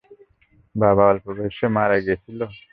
বাবা অল্প বয়সে মারা গেছিলো?